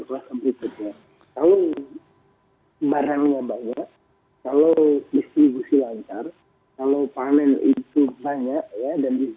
nah ini sebenarnya kesempatannya untuk bisa memasukkan pasukan dari berbagai macam daerah